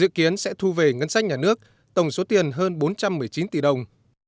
dự kiến sẽ thu về ngân sách nhà nước tổng số tiền hơn bốn trăm một mươi chín tỷ đồng